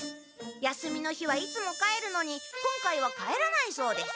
休みの日はいつも帰るのに今回は帰らないそうです。